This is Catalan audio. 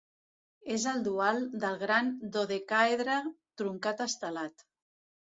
És el dual del gran dodecàedre truncat estelat.